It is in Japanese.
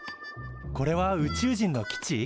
これは宇宙人の基地？